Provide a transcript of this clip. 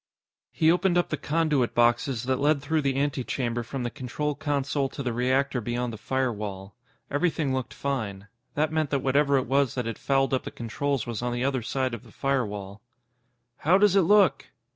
He opened up the conduit boxes that led through the antechamber from the control console to the reactor beyond the firewall. Everything looked fine. That meant that whatever it was that had fouled up the controls was on the other side of the firewall. "How does it look?"